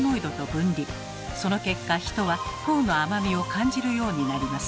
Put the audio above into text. その結果人は糖の甘みを感じるようになります。